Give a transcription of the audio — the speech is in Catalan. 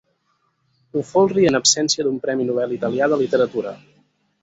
Ho folri en absència d'un premi Nobel italià de literatura.